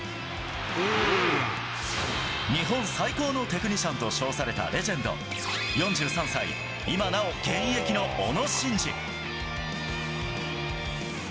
日本最高のテクニシャンと称されたレジェンド、４３歳、今なお現役の小野伸二。